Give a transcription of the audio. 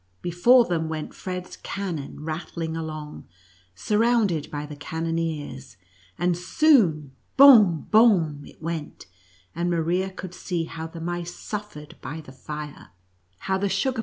Before them went Fred's cannon rat tling along, surrounded by the cannoniers, and soon bom — bom it went, and Maria could see how the mice suffered by the fire, how the sugar 42 NUTCRACKER AND MOUSE KING.